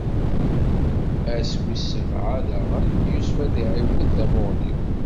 Ass wis sebɛa daɣen, Yusef ad s-iɛiwed tamuɣli.